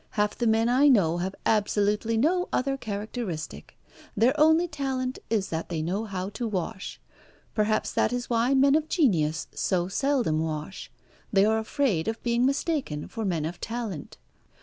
Half the men I know have absolutely no other characteristic. Their only talent is that they know how to wash. Perhaps that is why men of genius so seldom wash. They are afraid of being mistaken for men of talent.